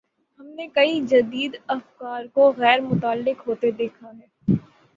ہم نے کئی جدید افکار کو غیر متعلق ہوتے دیکھا ہے۔